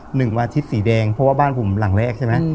หนึ่งวันอาทิตย์สีแดงเพราะว่าบ้านผมหลังแรกใช่ไหม